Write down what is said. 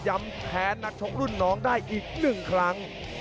ยำแท้นักชกรุ่นน้องได้อีก๑ครั้ง